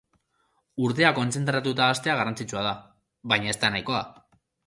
Urtea kontzentratuta hastea garrantzitsua da, baina ez da nahikoa.